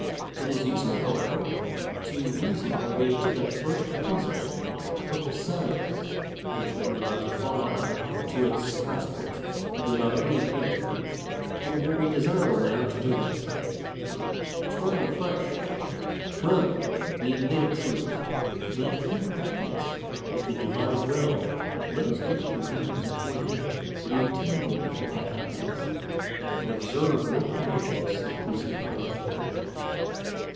It is easy, however, . to reason our way to that first principle of ethical science which we are about to follow out to its consequences, without any appeal to these. And it will be desirable now to do this. Starting afresh then, from the admitted truth, that human happiness is the Divine will, let ns look at the means appointed for the obtainmetit of that happiness, and observe what conditions they presuppose.